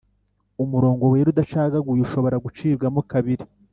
Umurongo wera udacagaguye ushobora gucibwamo kabiri